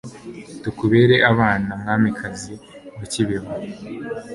tukubere abana, mwamikazi wa kibeho